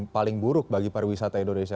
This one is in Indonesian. paling buruk bagi para wisata indonesia